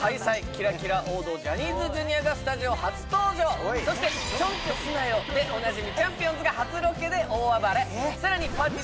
キラキラ王道ジャニーズＪｒ．がスタジオ初登場そして「ちょんってすなよ」でおなじみちゃんぴおんずが初ロケで大暴れさらにぱーてぃー